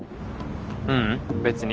ううん別に。